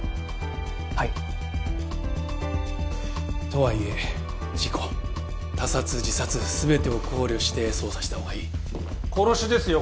はいとはいえ事故他殺自殺全てを考慮して捜査した方がいい殺しですよ